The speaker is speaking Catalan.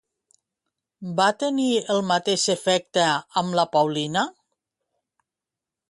Va tenir el mateix efecte amb la Paulina?